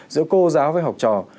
giữa cô giáo với học trò